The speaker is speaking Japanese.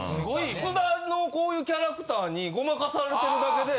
津田のこういうキャラクターにごまかされてるだけで。